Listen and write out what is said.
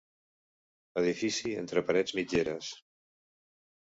Edifici entre parets mitgeres.